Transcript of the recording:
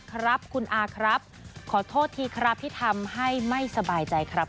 ครับคุณอาครับขอโทษทีครับที่ทำให้ไม่สบายใจครับ